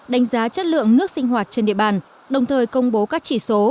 đánh giá chất lượng nước sinh hoạt trên địa bàn đồng thời công bố các chỉ số